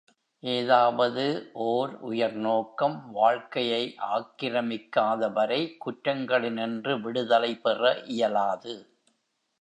ஏதாவது ஒர் உயர் நோக்கம் வாழ்க்கையை ஆக்கிரமிக்காதவரை குற்றங்களினின்று விடுதலை பெற இயலாது.